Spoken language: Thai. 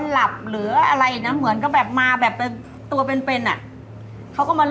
ถ้าเงินถึงลำบอร์เนียครับ